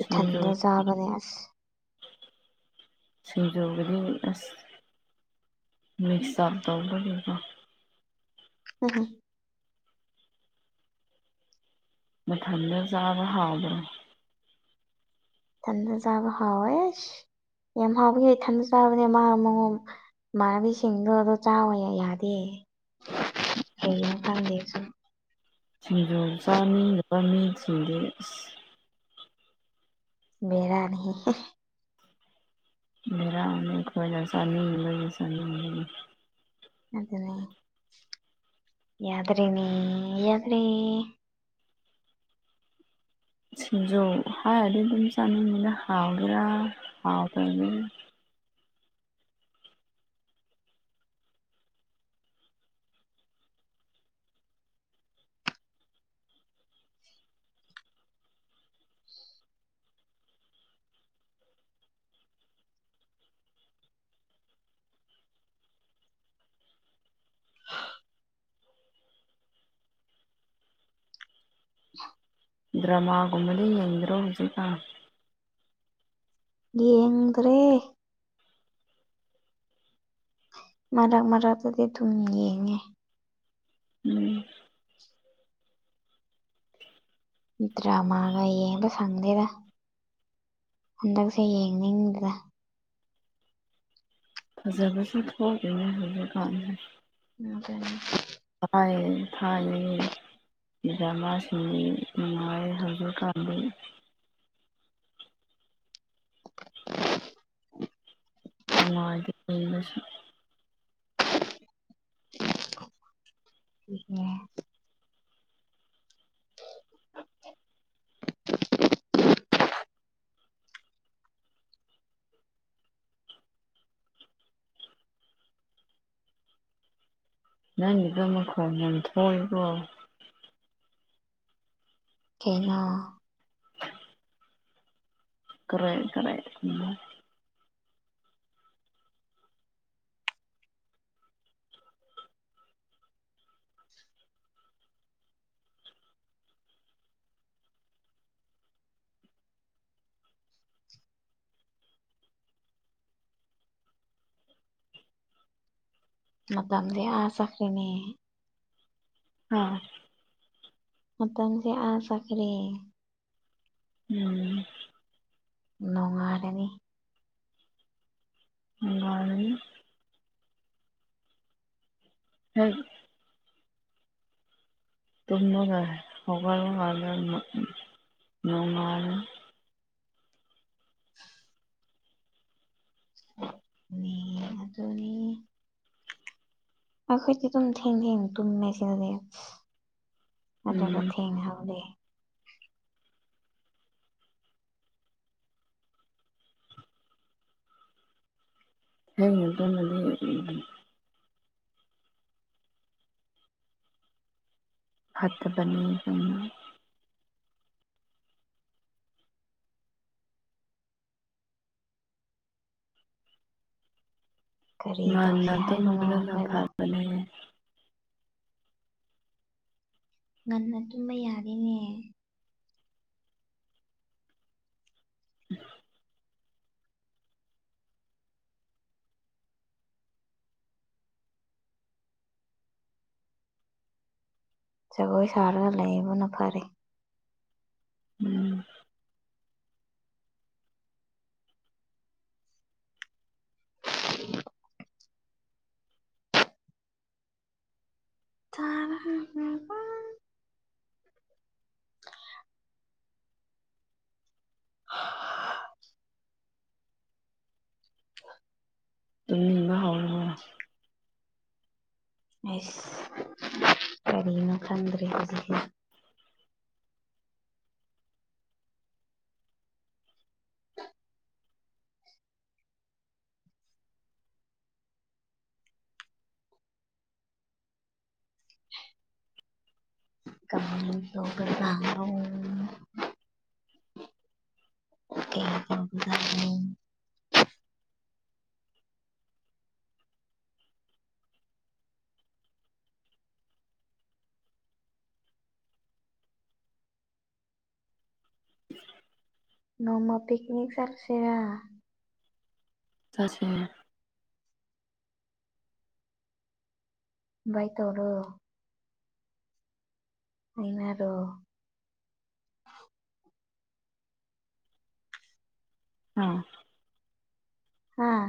ꯁꯤꯡꯖꯨ ꯏꯊꯟꯗ ꯆꯥꯕꯅꯦ ꯑꯁ ꯁꯖꯧꯗꯒꯤꯁ ꯃꯤꯛꯁꯞꯗꯕꯕ ꯎ ꯍꯣ ꯃꯊꯟꯗ ꯆꯥꯕ ꯍꯥꯎꯕ꯭ꯔꯥ ꯊꯟꯗ ꯆꯥꯕ ꯍꯥꯎꯋꯦ ꯑꯦꯁ ꯌꯥꯝ ꯍꯥꯎꯕꯒꯤ ꯊꯟꯗ ꯆꯥꯕꯅꯦ ꯃꯥ ꯃꯉꯝ ꯃꯥꯅꯕꯤꯁꯤꯡꯗꯣ ꯑ ꯑꯗꯨꯣ ꯆꯥꯎꯋ ꯌꯥꯗꯦ [inaudible] ꯍ ꯀꯥꯟꯗꯁꯨ ꯁꯤꯡꯖꯨ ꯆꯥꯅꯤ ꯅꯨꯄꯥꯅꯤ ꯆꯁꯤꯡꯗꯦ ꯃꯦꯔꯅꯤ ꯃꯦꯥ ꯑꯅꯤ ꯀꯋꯥꯁꯥꯅꯤꯕ ꯁꯥꯅꯤ ꯑꯗꯨꯗꯅꯦ ꯌꯥꯗ꯭ꯔꯔꯤꯅꯤ ꯌꯥꯗ꯭ꯔꯤ ꯁꯤꯤꯟꯖꯧ ꯍ ꯑꯗꯨ ꯑꯗꯨꯝ ꯆꯅ ꯃꯅ ꯍꯒ꯭ꯔꯥ ꯍꯥꯎꯒ꯭ꯔꯅꯤ [inaudible] ꯗ꯭ꯔꯃꯥꯒꯨꯝꯃꯂꯤ ꯌꯦꯟ꯭ꯔꯣ ꯍꯧꯖꯤꯗ ꯌꯦꯗ꯭ꯔꯦ ꯃꯔꯛ ꯃꯔꯥꯛꯛꯇꯗꯤ ꯑꯗꯨꯝ ꯌꯦꯡꯉꯦ ꯎꯝ ꯗ꯭ꯔꯃꯒ ꯌꯦꯡꯕ ꯁꯪꯗꯦꯗ ꯍꯟꯗꯛꯁꯦ ꯌꯦꯡꯅꯤꯡꯕꯗ ꯐꯖꯕꯁꯨ ꯊꯣꯛꯒꯅꯤ ꯍꯥꯏꯕ ꯀꯥꯟꯅ [unintelligible] ꯊꯥꯏꯌꯦ ꯊꯥꯏꯌꯦ ꯗꯔ꯭ꯃꯥ ꯁꯤꯡ ꯗꯤ ꯅꯨꯡꯉꯥꯏ ꯍꯧꯖꯤꯛ ꯀꯥꯟꯗꯤ [unintelligible] [unintelligible] ꯅꯪꯒꯤꯗ ꯃꯈꯣꯟ ꯌꯥꯝ ꯊꯣꯛꯏꯀꯣ ꯀꯩꯅꯣ ꯀꯔꯦ ꯀꯔꯦ ꯀꯨꯝꯕꯥ [inaudible] ꯃꯇꯝꯗꯤ ꯑꯥ ꯆꯠꯈꯔ꯭ꯦꯅꯦ ꯑꯥ ꯃꯇꯝꯁꯦ ꯑꯥ ꯆꯠꯈꯔꯦ ꯎꯝ ꯅꯨꯡꯉꯥꯏꯔꯅꯤ ꯅꯨꯡꯉꯥꯏꯔꯅꯤ ꯎꯝ ꯇꯨꯝꯃꯒ ꯍꯧꯒꯠꯂ ꯀꯥꯟꯗ ꯅꯣꯡ ꯉꯥꯜꯂꯦ ꯃꯤ ꯑꯗꯨꯅꯤ ꯑꯈꯣꯏꯗꯤ ꯗꯨꯝ ꯊꯦꯡ ꯊꯦꯡꯅ ꯇꯨꯝꯃꯦ ꯁꯤꯗꯥꯗꯤ ꯑꯗꯨꯒ ꯎꯝ ꯊꯦꯡꯅ ꯍꯧꯔꯦ꯫ ꯊꯦꯡꯅ ꯇꯨꯝꯃꯗꯤ ꯐꯠꯇꯕꯅꯤ ꯀꯔꯤ ꯇꯧꯁꯤ ꯉꯟꯅ ꯍꯥꯏꯕꯅꯣ ꯇꯨꯝꯕꯗꯨ ꯅ ꯑꯩꯈꯣꯏꯕꯣ ꯐꯕꯅꯦ ꯉꯟꯅ ꯇꯨꯝꯕ ꯌꯥꯔꯦꯅꯦ [unintelligible] ꯖꯒꯣꯏ ꯁꯥꯔ ꯂꯩꯕꯅ ꯐꯔꯦ ꯎꯝ [unintelligible] [unintelligible] [unintelligible] [unintelligible] ꯇꯨꯝꯅꯤꯡꯕ ꯍꯧꯔꯕꯣ ꯑꯦꯁ ꯀꯔꯤꯅꯣ ꯈꯪꯗ꯭ꯔꯦ ꯍꯧꯖꯤꯛꯁꯦ [unintelligible] ꯀꯩ ꯇꯧꯕꯖꯥꯠꯅꯣ ꯅꯣꯡꯃ ꯄꯤꯛꯅꯤꯛ ꯆꯠꯁꯤꯔꯥ ꯆꯠꯁꯦ ꯕꯥꯏ ꯇꯣꯔꯣ ꯍꯥꯏꯅꯔꯣ ꯑꯥ ꯍꯥꯥ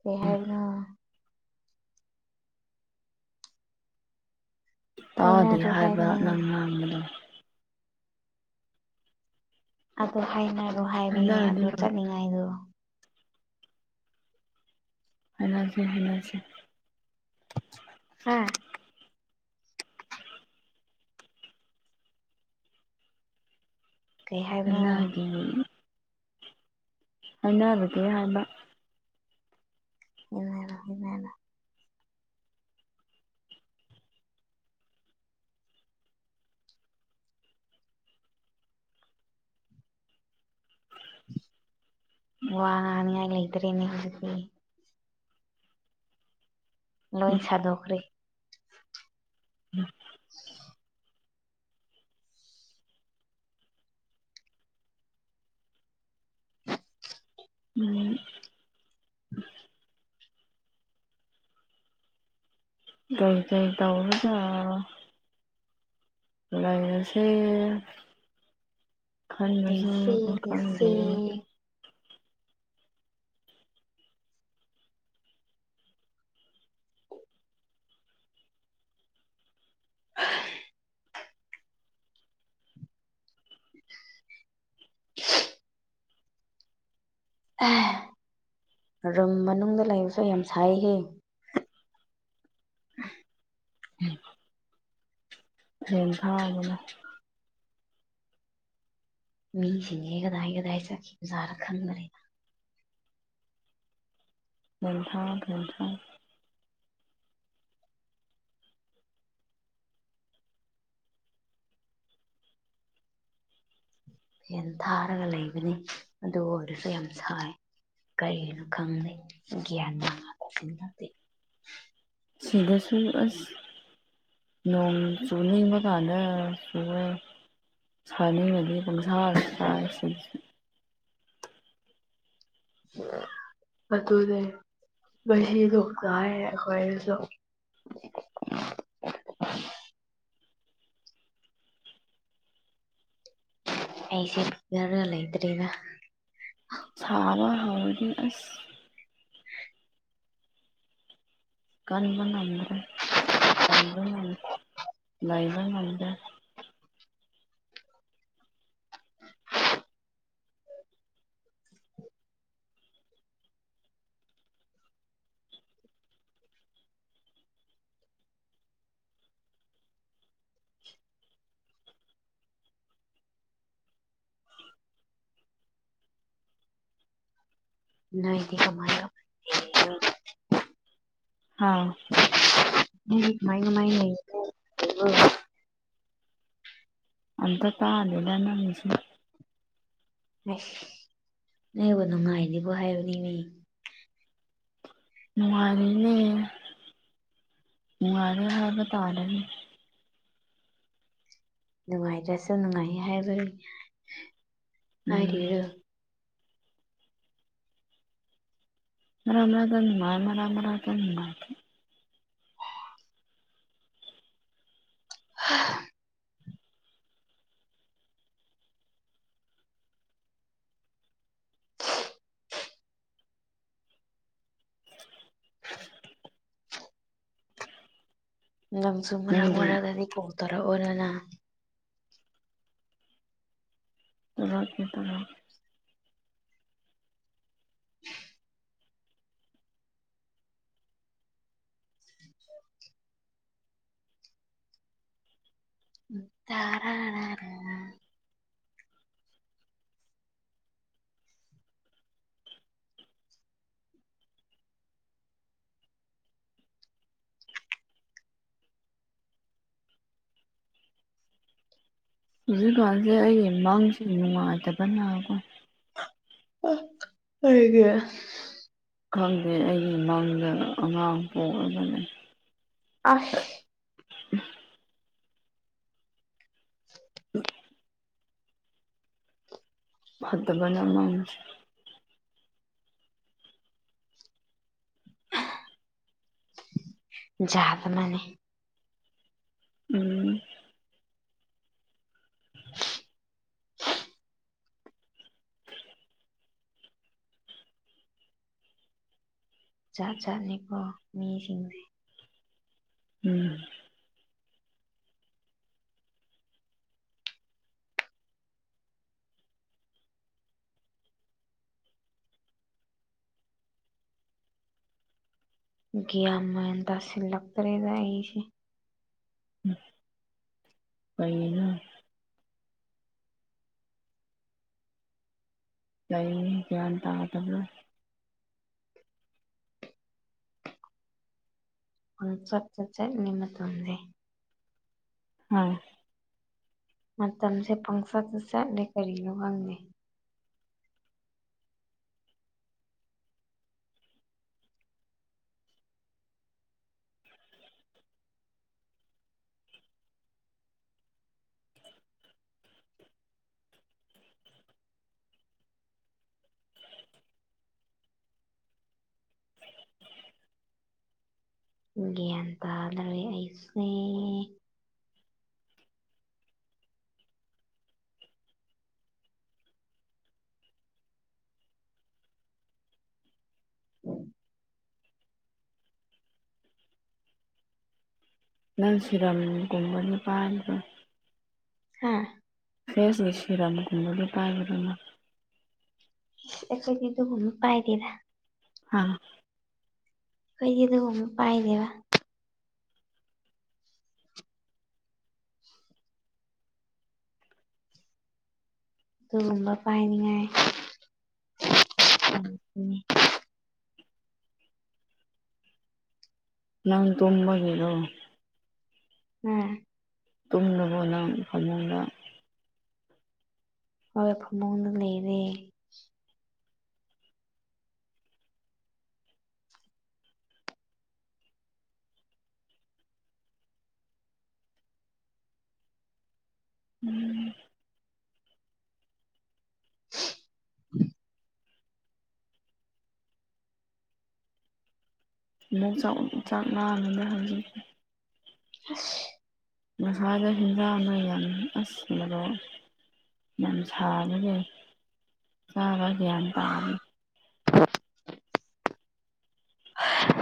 ꯀꯩ ꯍꯥꯏꯕꯅꯣ ꯇꯥꯗꯦ ꯍꯥꯏꯅꯔꯣ ꯍꯥꯏꯕ ꯍꯥꯏꯕꯅꯦ ꯅꯪ ꯉꯥꯡꯕꯗ ꯑꯗꯨ ꯍꯥꯏꯅꯔꯣ ꯍꯥꯏꯕꯅꯦ ꯍꯥꯏꯅꯔꯗꯤ ꯑꯗꯨ ꯂꯣꯏ ꯆꯠꯅꯤꯡꯉꯥꯏꯗꯣ ꯍꯥꯏꯅꯁꯤ ꯍꯥꯏꯅꯁꯤ ꯍꯥꯥ ꯀꯩ ꯍꯥꯏꯕꯅꯣ [unintelligible] ꯍꯥꯏꯅꯔꯨꯒꯦ ꯍꯥꯌꯕꯥ ꯍꯅ ꯍꯅ ꯋꯥ ꯉꯅꯤ ꯂꯩꯇꯔꯦꯅꯤ ꯂꯣꯏ ꯆꯥꯗꯈꯔꯤ ꯎꯝ ꯎꯝ [inaudible] ꯀꯏ ꯀꯩ ꯇꯧꯔꯗ ꯂꯩꯥꯏꯁꯦ ꯈꯟꯕꯁꯦ ꯂꯩꯁꯦ ꯂꯩꯁꯦ ꯈꯪꯗꯦ [inaudible] ꯔꯨꯝ ꯃꯅꯨꯡꯗ ꯂꯩꯕꯁꯨ ꯌꯥꯝ ꯁꯥꯏꯈꯤ [inaudible] ꯑꯗꯨꯅ ꯃꯤꯁꯤꯡꯁꯦ ꯀꯗꯥꯏ ꯀꯗꯥꯏ ꯆꯠꯈꯤꯕꯖꯥꯔ ꯈꯪꯗꯔꯦ ꯉꯦꯟꯊꯧ ꯈꯦꯟꯊꯧ ꯐꯦꯟ ꯊꯥꯔꯒ ꯂꯩꯕꯅꯤ ꯑꯗꯨ ꯑꯣꯏꯔꯁꯨ ꯌꯥꯝ ꯁꯥꯏ ꯀꯔꯤꯒꯤꯅꯣ ꯈꯪꯅꯩ ꯒ꯭ꯌꯥꯟ ꯃ ꯅꯗꯦ ꯁꯤꯗ ꯁꯨꯔ ꯑꯁ ꯅꯣꯡ ꯁꯨꯅꯕ ꯀꯥꯟꯗ ꯁꯨꯅ ꯁꯥꯅꯤꯡꯕꯒꯤ ꯄꯣꯡꯁꯥ ꯁꯁꯤꯡꯁꯦ ꯑꯗꯨ ꯇꯗꯦ ꯃꯁꯤꯗꯣꯛ ꯆꯥꯏ ꯑꯩꯈꯣꯏꯁꯨ [inaudible] ꯑꯩꯁꯦ ꯌꯥꯔꯒ ꯂꯩ ꯏꯗꯔꯤꯗ ꯁꯥꯕ ꯍꯧꯅꯤ ꯑꯁ ꯀꯟꯕꯅꯤꯗ꯭ꯔꯦ ꯂꯕ ꯂꯩꯥꯏꯕ ꯉꯗ [inaudible] ꯅꯣꯏꯗꯤ ꯀꯃꯥꯏ ꯑꯥ ꯃꯥꯏꯡ ꯃꯥꯏ ꯂꯩ ꯑꯇ ꯇꯥꯍꯂ ꯂꯅ ꯍꯧꯁꯤ ꯅꯕꯨ ꯅꯨꯡꯉꯥꯏꯅꯦꯕꯣ ꯍꯥꯏꯕꯅꯤꯅꯦ ꯅꯨꯡꯉꯔꯤꯅꯦ ꯃꯉꯔꯦ ꯍ ꯍꯕꯇꯥꯔꯕꯤ ꯅꯨꯡꯉꯥꯏꯔꯁꯨꯦ ꯅꯨꯡꯉꯥꯏ ꯍꯥꯏꯕ ꯎꯝ ꯍꯥꯏꯔꯤꯕꯔꯨ ꯃꯔ ꯃꯔꯗꯅꯨꯡ ꯃꯥ ꯃꯔ ꯃꯔꯔꯥꯗꯅꯨꯡ ꯃꯥ [inaudible] ꯂꯝꯁꯨ ꯃꯔꯛ ꯅꯪꯗꯤ ꯃꯔꯛꯛꯇꯗꯤ ꯀꯧ ꯇꯔꯛꯑꯣꯔꯅ ꯇꯔꯥꯛꯀꯤ ꯇꯔꯦ [inaudible] ꯎ ꯇꯥꯔꯥꯅꯔꯦ ꯍꯧꯖꯤꯛꯀꯥꯟꯁꯦ ꯑꯩ ꯃꯥꯡꯁ ꯅꯨꯡꯉꯥꯏꯗꯕꯅꯒꯣ ꯑ ꯍꯒ ꯈꯪꯗꯦ ꯑꯩꯒꯤꯃꯪꯗ ꯑꯉꯥꯡ ꯄꯣꯛꯑꯒꯅꯤ ꯑꯁ ꯎ ꯍ ꯐꯠꯇꯕꯅ ꯃ ꯌꯥꯗ ꯃꯅꯦ ꯎꯝ [inaudible] ꯖꯥꯠ ꯖꯥꯠꯅꯤꯀꯣ ꯃꯤꯁꯤꯡꯁꯦ ꯎꯝ ꯒꯤꯌꯥꯟ ꯃꯦꯟ ꯇꯥꯁꯤꯟꯂꯛꯇꯔ꯭ꯦꯗꯥ ꯑꯩꯁꯦ ꯀꯩꯅꯦ ꯀꯔꯤ ꯀꯒꯌꯥꯟ ꯇꯗꯕ ꯄꯥꯡ ꯆꯠ ꯇꯥ ꯆꯠꯂꯤ ꯃꯇꯝꯖꯦ ꯍꯣꯏ ꯃꯇꯝꯁꯦ ꯄꯪꯆꯠꯇ ꯆꯠꯂꯦ ꯀꯔꯤꯅꯣ ꯈꯪꯗꯦ [inaudible] ꯒ꯭ꯌꯥꯟ ꯇꯥꯗꯔꯦ ꯑꯩꯁꯦ ꯅꯪ ꯁꯤꯔꯝꯒꯨꯝꯕ ꯅꯨꯄꯥ [inaudible] ꯍꯥꯥ ꯐꯦꯁ ꯁꯤꯔꯝ [inaudible] ꯑꯩꯈꯣꯏꯗꯤ ꯑꯗꯨꯒꯨꯝꯕ ꯄꯥꯏꯗꯦꯗ ꯑꯥ ꯑꯩꯗꯤ꫰ꯑꯗꯨꯒꯨꯝꯕ ꯄꯥꯏꯗꯦꯕꯥ ꯑꯗꯨꯒꯨꯝꯕ ꯄꯥꯏꯅꯤꯡꯉꯥꯏ ꯅꯪ ꯇꯨꯝꯕꯒꯤꯗꯣ ꯎꯝ ꯇꯨꯝꯗꯅꯕꯅ ꯐꯃꯨꯡꯗ ꯍꯣꯏ ꯐꯃꯨꯡꯗ ꯂꯩꯔꯦ ꯎꯝ [inaudible] ꯆꯥꯛ [inaudible] [inaudible] [unintelligible] ꯌꯥꯝ ꯁꯥꯕꯒ ꯆꯥꯕ ꯒ꯭ꯌꯥꯟ ꯇꯥꯗꯦ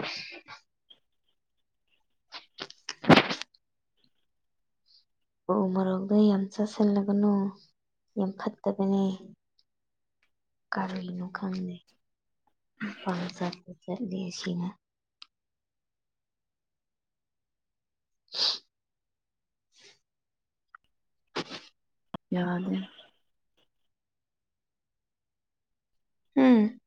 [inaudible] ꯎ ꯃꯔꯣꯛꯗ ꯌꯥꯝ ꯆꯥꯁꯤꯜꯂꯒꯅꯨ ꯌꯥꯝ ꯐꯠꯇꯕꯅꯦ ꯀꯔꯤꯅꯣ ꯈꯪꯗꯦ ꯄꯥꯡꯆꯠꯇ ꯆꯠꯂꯦ ꯑꯁꯤꯅ [unintelligible] ꯌꯥꯗꯦ ꯎꯝ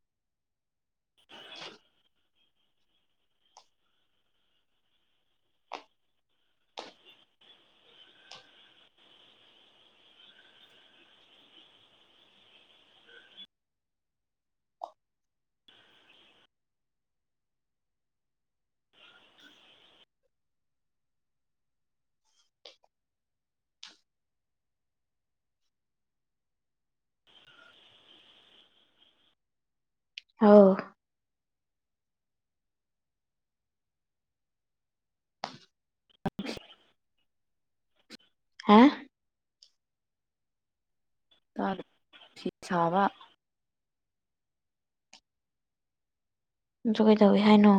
ꯍꯥꯎ ꯍꯥ ꯐꯤ ꯁꯥꯕ ꯗꯨ ꯀꯩꯗꯧꯏ ꯍꯥꯏꯅꯣ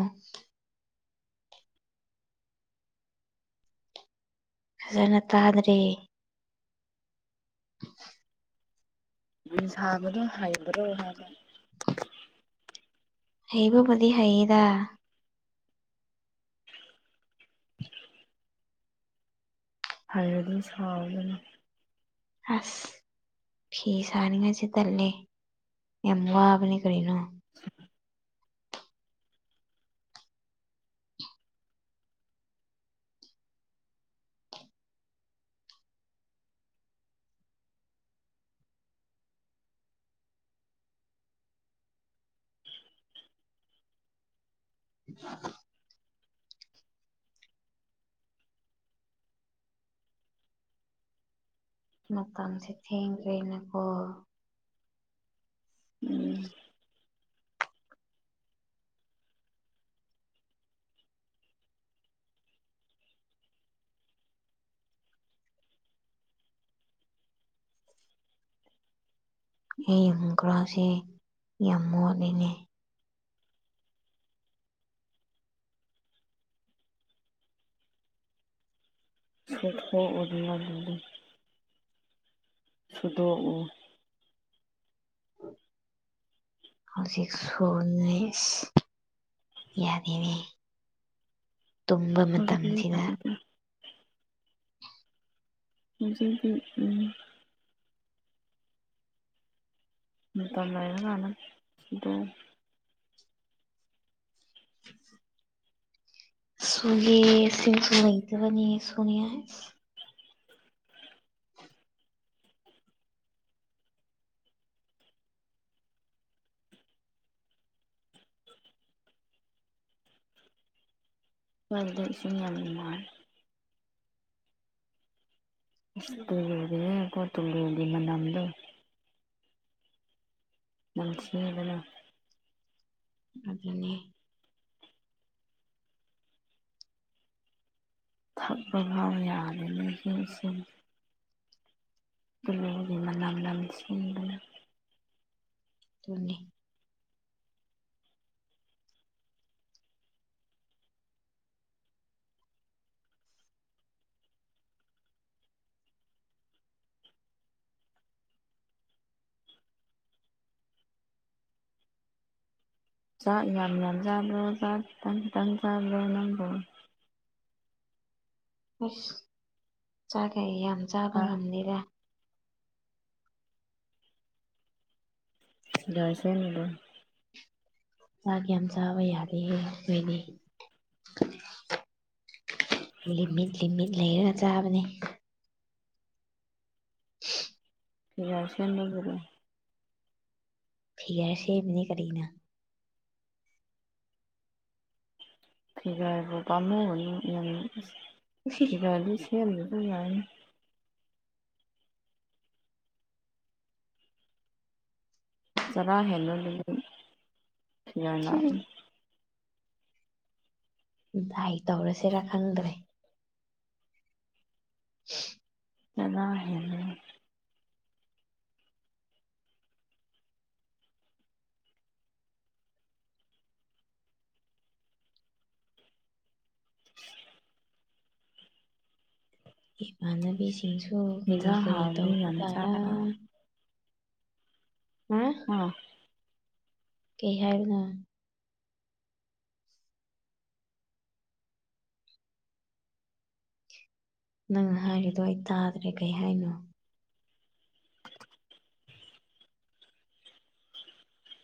ꯐꯖꯅ ꯇꯥꯗ꯭ꯔꯦ ꯐꯤ ꯁꯥꯕꯗꯣ ꯍꯩꯕ꯭ꯔꯣ ꯍꯥꯏꯕ ꯍꯩꯕꯕꯨꯗꯤ ꯍꯩꯌꯦꯗ ꯍꯥꯏꯔꯗꯨ ꯁꯥꯎꯗꯅ ꯑꯁ ꯐꯤ ꯁꯥꯅꯤꯡꯉꯥꯏꯁꯤ ꯇꯜꯂꯦ ꯌꯥꯝ ꯋꯥꯕꯅꯦ ꯀꯔꯤꯅꯣ [inaudible] [unintelligible] ꯃꯇꯝꯁꯦ ꯊꯦꯡꯈ꯭ꯔꯦꯅꯦꯀꯣ ꯎꯝ [inaudible] ꯑꯩ ꯌꯨꯝꯒ꯭ꯔꯥꯁꯦ ꯌꯥꯝ ꯃꯣꯠꯂꯤꯅꯦ ꯁꯠꯀ ꯑꯣꯗꯃꯕꯗꯤ ꯁꯨꯗꯣꯛ ꯎ [inaudible] ꯍꯧꯖꯤꯛ ꯁꯨꯅꯦꯁ ꯌꯥꯗꯦꯅꯦ ꯇꯨꯝꯕ ꯍꯧꯖꯤꯛꯇꯤ ꯃꯇꯝꯁꯤꯗ ꯌꯥꯗꯦ ꯍꯧꯖꯤꯕꯤ ꯎꯝ ꯃꯇꯝ ꯂꯩꯕ ꯀꯅ ꯁꯨꯗꯣ [unintelligible] ꯁꯨꯒꯦ ꯁꯤꯡꯁꯨ ꯂꯩꯇꯕꯅꯤ ꯁꯨꯅꯤꯌꯥ [unintelligible] ꯗ ꯏꯁꯤꯡ ꯌꯥꯝ ꯅꯨꯉꯥꯏ ꯑꯁ ꯑꯣꯏꯗꯦ ꯍꯦ ꯈꯣꯏ ꯇꯨꯂꯨꯒꯤ ꯃꯅꯥꯝꯗꯨ ꯅꯝꯊꯤꯕꯅ ꯑꯗꯨ ꯅꯦ ꯊꯛꯄ ꯐꯥꯎ ꯌꯥꯔꯅꯤ ꯏꯁꯤꯡ ꯁꯦ ꯀꯂꯨꯒꯤ ꯃꯅꯥꯝ ꯂꯝꯁꯤꯡꯟꯗꯅ ꯇꯨꯅꯤ ꯆꯥꯛ ꯌꯥꯝ ꯌꯥꯝ ꯅꯆꯥꯕ꯭ꯔꯣ ꯆꯥꯛ ꯈꯤꯇꯪ ꯈꯤꯇꯪ ꯆꯥꯕ꯭ꯔꯣ ꯅꯪꯕ꯭ꯔꯣ ꯑꯁ ꯆꯥꯈꯩ ꯌꯥꯝ ꯆꯥꯕ ꯑꯥ ꯉꯝꯅꯤꯔꯦ ꯔꯁꯗ ꯆꯥꯛ ꯌꯥꯝ ꯆꯥꯕ ꯌꯥꯗꯦꯌꯦ ꯑꯈꯣꯏꯗꯤ ꯂꯤꯃꯤꯠ ꯂꯤꯃꯤꯠ ꯂꯩꯔꯒ ꯆꯥꯕꯅꯤ [unintelligible] [unintelligible] ꯐꯤꯒꯔ ꯁꯦꯝꯃꯤꯅꯤ ꯀꯔꯤꯅ ꯐꯤꯒ꯭ꯔꯕꯨ ꯄꯝꯃꯨ ꯌꯦ ꯐꯤꯒ꯭ꯔ ꯁꯦꯝꯗꯔ꯭ꯁꯨ ꯌꯥꯌꯦ ꯆꯔꯥ ꯍꯦꯟꯂꯨ ꯂꯩ ꯈꯌꯥꯅꯥ ꯗꯥꯏ ꯇꯧꯔꯁꯤꯔꯥ ꯈꯪꯗ꯭ꯔꯦ [unintelligible] ꯆꯂ ꯍꯦ ꯏꯃꯥꯟꯅꯕꯤꯁꯤꯡꯁꯨ ꯀꯔꯤ ꯏꯟꯖꯥꯡ ꯀꯔꯤ ꯍꯥꯎꯔꯗꯤ ꯇꯧꯕ ꯌꯥꯝ ꯇꯥꯔꯥ ꯆꯥꯔꯣ ꯍꯥꯝ ꯍꯥ ꯀꯩ ꯍꯥꯏꯔꯅ ꯅꯪꯅ ꯍꯥꯏꯔꯤꯗꯣ ꯑꯩ ꯇꯥꯗ꯭ꯔꯦ ꯀꯩ ꯍꯥꯏꯅꯣ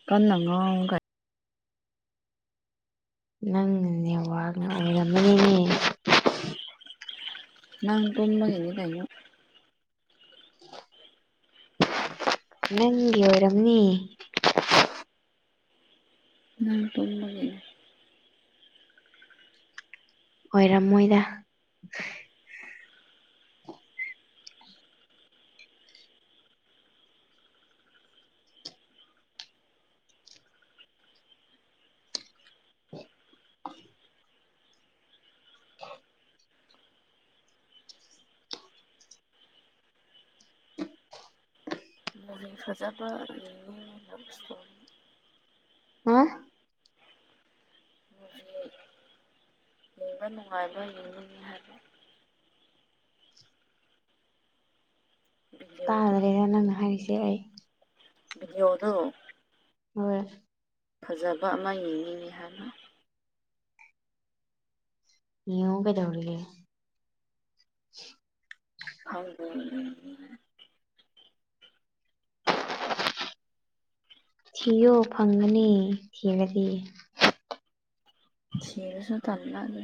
ꯀꯉꯣ ꯀꯥꯏ ꯅꯪꯅꯅꯦ ꯋꯥꯥꯛꯅ ꯑꯣꯏꯔꯝꯃꯅꯤꯅꯦ ꯅꯪꯒꯣꯟ ꯃꯉꯅꯤ ꯉꯥꯏꯅ [unintelligible] ꯅꯪꯒ ꯑꯣꯏ ꯔꯝꯅꯤ ꯅꯪ ꯊꯃꯒꯅꯦ ꯑꯣꯏꯔꯝꯃꯣꯏꯗ [unintelligible] [unintelligible] ꯔꯤ ꯈꯖꯥꯥ ꯑ ꯀꯁꯇ ꯍꯥ ꯎꯝ ꯂꯩꯕ ꯅꯨꯡꯉꯥꯏꯕ ꯌꯦꯡꯅꯤꯅꯤ ꯍꯥꯏꯕ ꯚꯤꯗꯤꯑꯣꯗꯣ ꯇꯥꯗ꯭ꯔꯦꯗ ꯅꯪꯅ ꯍꯥꯏꯔꯤꯁꯦ ꯑꯩ ꯗꯤ ꯌꯑꯣꯗꯨ ꯍꯣꯏ ꯐꯖꯕ ꯑꯃ ꯌꯦꯡꯅꯤꯡꯤꯉꯤ ꯍꯥꯏꯅ ꯌꯒꯗꯧꯂꯦ ꯍ [inaudible] ꯊꯣ ꯐꯪꯒꯅꯤ ꯊꯤꯕꯗꯤ ꯁꯤꯁꯨ ꯊꯝ ꯂꯒ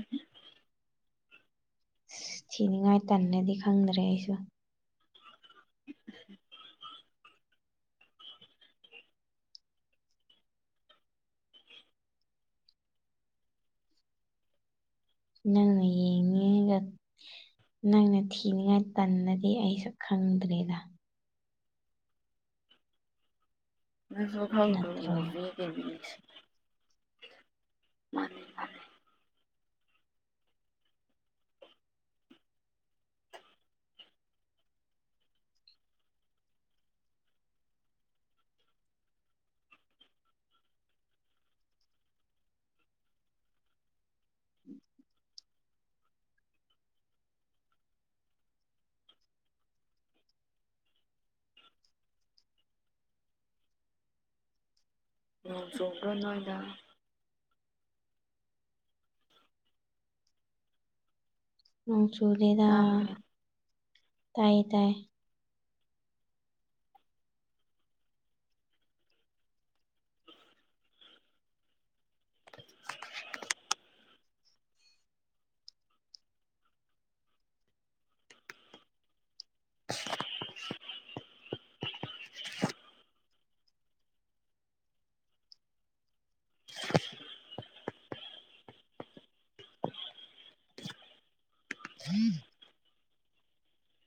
ꯑꯁ ꯊꯤꯅꯤꯡꯉꯥꯏ ꯇꯟꯅꯗꯤ ꯈꯪꯗ꯭ꯔꯦ ꯑꯩꯁꯨ [inaudible] ꯅꯪ ꯌꯦꯡꯉ ꯅꯪꯅ ꯊꯤꯅꯤꯡꯉꯥꯏ ꯇꯟꯅꯗꯤ ꯑꯩꯁꯨ ꯈꯪꯗ꯭ꯔꯦꯗ ꯅꯁꯨ ꯊꯝꯗ ꯅꯠꯇ꯭ꯔꯣ ꯍꯣ ꯑꯗꯨꯕꯤꯁ ꯃꯥꯅꯤ ꯃꯥꯅꯤ ꯎꯝ ꯅꯣꯡ ꯆꯣꯡꯗ ꯅꯅꯨꯡꯣꯏꯗ ꯎ ꯆꯨꯂꯦꯗ ꯇꯥꯕ꯭ꯔꯣ ꯇꯥꯏꯌꯦ ꯇꯥꯏ ꯎꯝ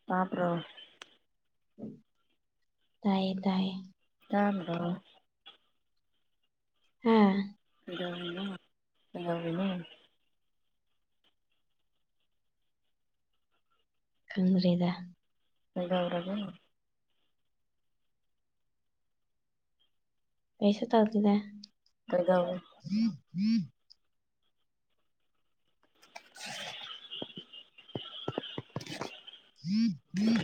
ꯇꯄ꯭ꯔꯣ ꯇꯌꯦ ꯇꯌꯦ ꯇꯝꯗ ꯍꯥꯥ ꯅꯅ ꯀꯗꯔꯤꯗ ꯐꯒꯕꯔꯒ ꯄꯩꯁ ꯇꯥꯀꯤꯗꯦ ꯀꯩꯗꯧ ꯍꯝ ꯎꯝ